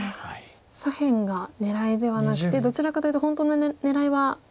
左辺が狙いではなくてどちらかというと本当の狙いは左上の。